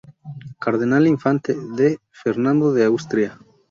Cardenal Infante D. Fernando de Austria".